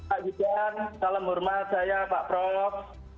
pak judan salam hormat saya pak prof